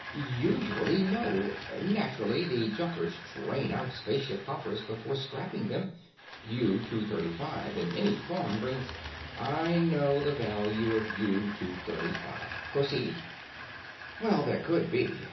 "Usually, no. Naturally, the junkers drain out spaceship hoppers before scrapping them. U 235 in any form brings " "I know the value of U 235. Proceed." "Well, there could be.